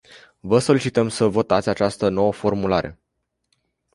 Vă solicităm să votați această nouă formulare.